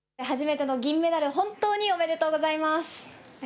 初めての銀メダル、本当におめでとうございます。